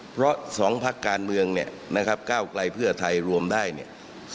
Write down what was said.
เพราะ๒พักการเมืองเนี่ยนะครับก้าวไกลเพื่อไทยรวมได้เนี่ย